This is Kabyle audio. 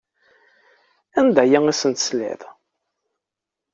Anda ay asen-tesliḍ?